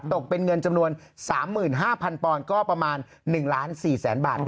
ตกเป็นเงินจำนวน๓๕๐๐๐ปอนด์ก็ประมาณ๑ล้าน๔แสนบาท